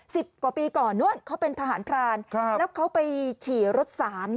สิบกว่าปีก่อนนู้นเขาเป็นทหารพรานครับแล้วเขาไปฉี่รถสาร